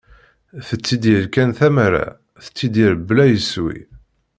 Tettidir kan tamara, tettidir bla iswi.